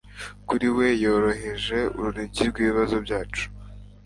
kuri we, yoroheje urunigi rw'ibibazo byacu